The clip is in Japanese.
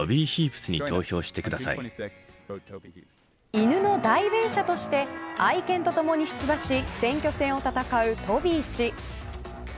犬の代弁者として愛犬と共に出馬し選挙戦を戦うトビー氏。